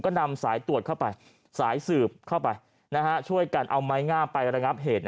ก็นำสายตรวจเข้าไปสายสืบเข้าไปช่วยกันเอาไม้งามไประงับเหตุ